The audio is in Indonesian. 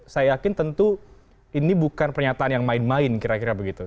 saya yakin tentu ini bukan pernyataan yang main main kira kira begitu